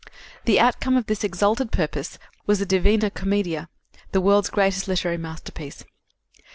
The outcome of this exalted purpose was the Divina Commedia, the world's greatest literary masterpiece.